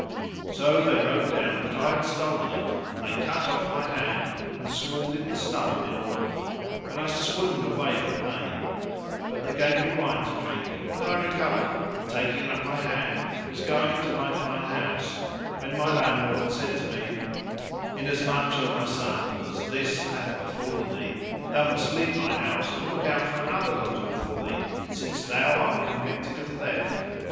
So they wrote down that I had stolen it and they cut off my hand and scalded the stump in oil,[FN#596] when I swooned away for pain; but they gave me wine to drink and I recovered and, taking up my hand, was going to my fine house, when my landlord said to me, "Inasmuch, O my son, as this hath befallen thee, thou must leave my house and look out for another lodging for thee, since thou art convicted of theft.